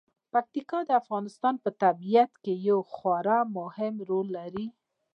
پکتیکا د افغانستان په طبیعت کې یو خورا مهم رول لري.